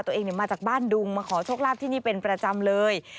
ตัวเองมาจากบ้านดุงมาขอโชคลาภที่นี่เป็นประจำเลย